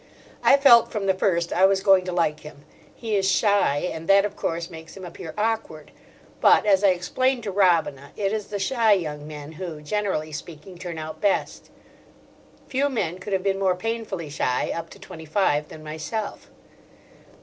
I felt from the first I was going to like him. He is shy, and that, of course, makes him appear awkward. But, as I explained to Robina, it is the shy young men who, generally speaking, turn out best: few men could have been more painfully shy up to twenty five than myself.